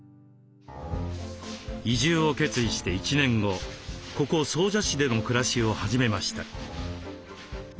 移住を決意して１年後ここ総社市での暮らしを始めました。